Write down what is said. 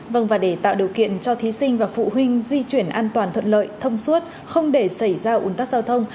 vâng và để tạo điều kiện cho thí sinh và phụ huynh di chuyển an toàn thuận lợi thông suốt không để xảy ra ủn tắc giao thông